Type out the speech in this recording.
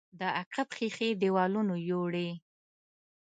د عقب ښيښې دېوالونو يوړې.